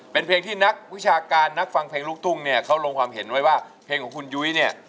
เป็นเพลงที่นักวิชาการนักฟังเพลงลูกทุ่งเนี่ยเขาลงความเห็นไว้ว่าเพลงของคุณยุ้ยเนี่ย